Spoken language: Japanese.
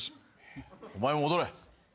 お前も戻れ。